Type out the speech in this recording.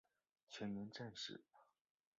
全员战死。